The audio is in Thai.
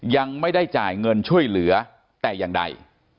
ยังไม่ได้จ่ายเงินช่วยเหลือแต่อย่างใด